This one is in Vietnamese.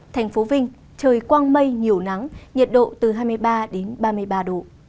thành phố vinh trời quang mây nhiều nắng nhiệt độ từ hai mươi ba đến ba mươi ba độ